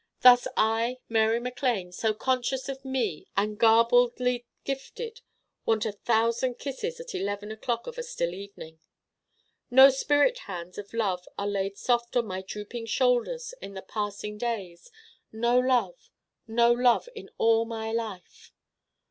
Thus I, Mary MacLane, so conscious of Me and garbledly gifted, want a Thousand Kisses at eleven o'clock of a still evening. No spirit hands of Love are laid soft on my drooping shoulders in the passing days: no Love no Love in all my life.